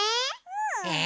え！